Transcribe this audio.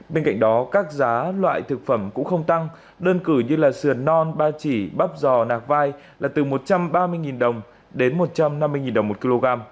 bên cạnh đó các giá loại thực phẩm cũng không tăng đơn cử như sườn non ba chỉ bắp giò nạc vai là từ một trăm ba mươi đồng đến một trăm năm mươi đồng một kg